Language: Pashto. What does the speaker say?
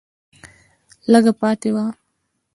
لږه پاتې وه